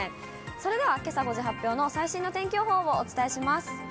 それではけさ５時発表の最新の天気予報をお伝えします。